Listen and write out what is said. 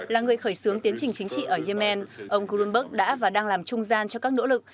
là người khởi xướng tiến trình chính trị ở yemen ông grunberg đã và đang làm trung gian cho các nỗ lực